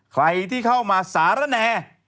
ใครที่เข้ามาสารแน